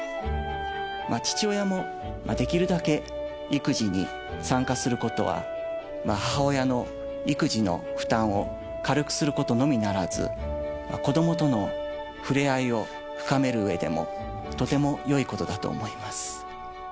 父親もできるだけ育児に参加することは、母親の育児の負担を軽くすることのみならず、子どもとのふれあいを深めるうえでも、とてもよいことだと思います。